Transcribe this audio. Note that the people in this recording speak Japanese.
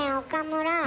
岡村。